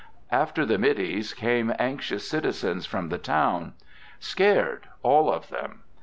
After the middies, came anxious citizens from the town. Scared, all of them.